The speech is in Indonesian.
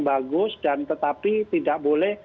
bagus dan tetapi tidak boleh